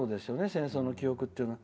戦争の記憶って。